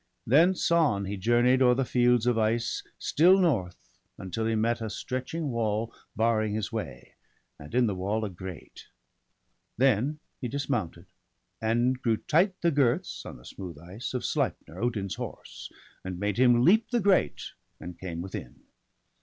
Thence on he journey'd o'er the fields of ice Still north, until he met a stretching wall Barring his way, and in the wall a grate. Then he dismounted, and drew tight the girths, On the smooth ice, of Sleipner, Odin's horse. And made him leap the grate, and came within.